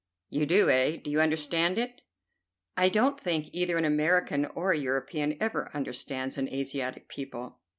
"You do, eh? Do you understand it?" "I don't think either an American or a European ever understands an Asiatic people."